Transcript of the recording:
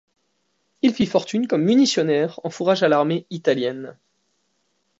Il fit fortune comme munitionnaire en fourrages à l'armée d'Italie.